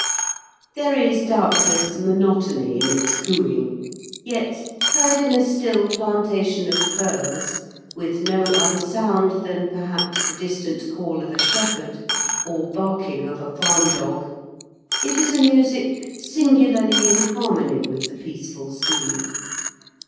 There is doubtless monotony in its cooing, yet, heard in a still plantation of firs, with no other sound than perhaps the distant call of a shepherd or barking of a farm dog, it is a music singularly in harmony with the peaceful scene.